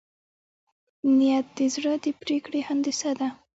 نیت د زړه د پرېکړې هندسه ده.